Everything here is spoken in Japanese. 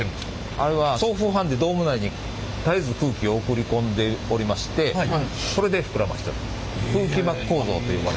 あれは送風ファンでドーム内に絶えず空気を送り込んでおりましてそれで膨らませております。